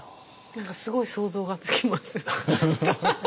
何かすごい想像がつきます。